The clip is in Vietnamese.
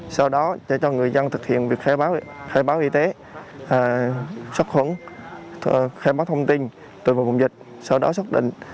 sau đó cho người dân thực hiện việc khai báo y tế